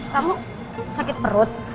kamu sakit perut